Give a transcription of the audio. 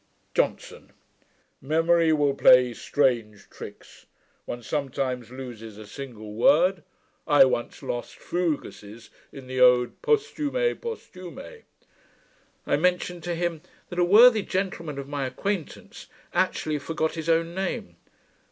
JOHNSON. 'Memory will play strange tricks. One sometimes loses a single word. I once lost fugaces in the Ode Posthume, Posthume. I mentioned to him, that a worthy gentleman of my acquaintance actually forgot his own name.